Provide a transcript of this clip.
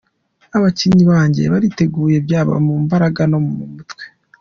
Abakinnyi banjye bariteguye byaba mu mbaraga no mu mutwe.